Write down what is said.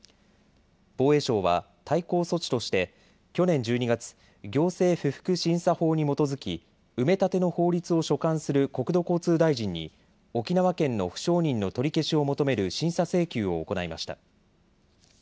防衛省は対抗措置として去年１２月、行政不服審査法に基づき埋め立ての法律を所管する国土交通大臣に沖縄県の不承認の取り消しを求める審査請求を行いました。